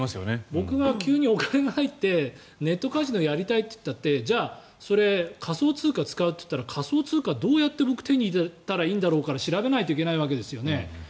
僕が急にお金が入ってネットカジノやりたいって言ったってじゃあ、それ仮想通貨を使うと言ったら仮想通貨をどうやって手に入れなきゃいけないんだろうから調べなきゃいけないわけですよね。